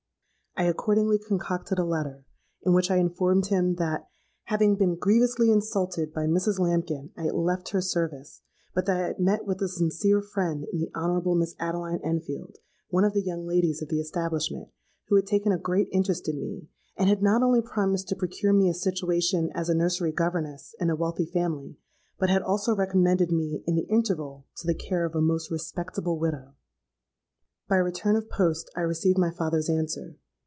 I accordingly concocted a letter, in which I informed him 'that having been grievously insulted by Mrs. Lambkin, I had left her service; but that I had met with a sincere friend in the Honourable Miss Adeline Enfield, one of the young ladies of the establishment, who had taken a great interest in me, and had not only promised to procure me a situation as a nursery governess in a wealthy family, but had also recommended me, in the interval, to the care of a most respectable widow.' By return of post I received my father's answer.